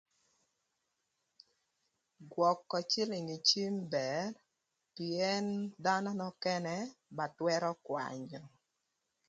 Gwökö cïlïng ï cim bër pïën dhanö nökënë ba twërö kwanyö.